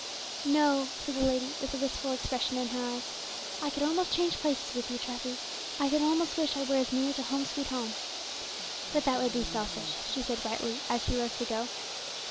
"No," said the lady, with a wistful expression in her eyes, "I could almost change places with you, Treffy, I could almost wish I were as near to 'Home, sweet Home.' But that would be selfish," she said brightly, as she rose to go.